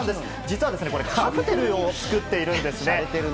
実はこれカクテルを作っているんです。